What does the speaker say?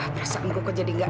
pernah gak pinta